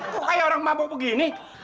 kamu kayak orang mabok begini